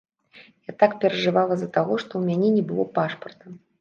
Я так перажывала з-за таго, што ў мяне не было пашпарта.